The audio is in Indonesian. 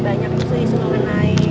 banyak misi mengenai